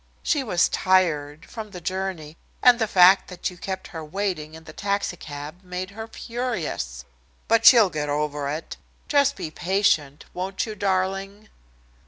She was tired, from the journey, and the fact that you kept her waiting in the taxicab made her furious. But she'll get over it. Just be patient, won't you, darling?"